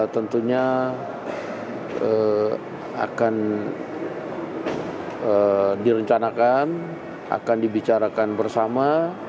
tentunya akan direncanakan akan dibicarakan bersama